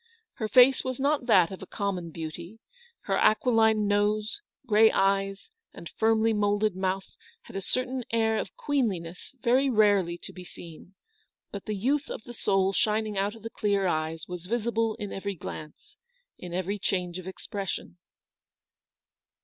Her face was not that of a common beauty : her aquiline nose, grey eyes, and firmly moulded mouth had a certain air of queenliness very rarely to be seen; but the youth of the soul shining out of the clear eyes was visible in every glance, in every change of expression.